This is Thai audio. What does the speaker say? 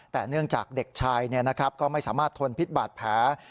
แต่เนื่องจากเด็กชายก็ไม่สามารถทนพิษบาดแผล